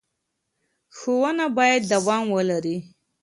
ښوونه باید دوام ولري.